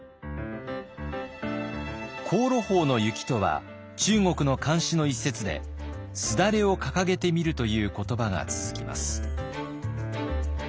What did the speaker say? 「香炉峰の雪」とは中国の漢詩の一節で「すだれをかかげてみる」という言葉が続きます。